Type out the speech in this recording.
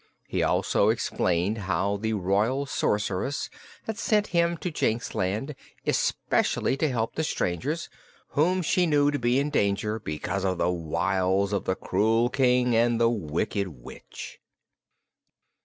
He also explained how the Royal Sorceress had sent him to Jinxland especially to help the strangers, whom she knew to be in danger because of the wiles of the cruel King and the Wicked Witch.